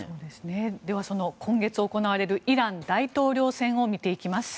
では、その今月行われるイラン大統領選を見ていきます。